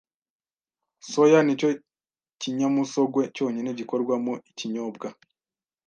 Soya ni cyo kinyamusogwe cyonyine gikorwamo ikinyobwa